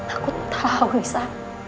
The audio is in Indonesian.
aku tau nisa